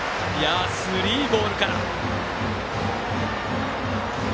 スリーボールから。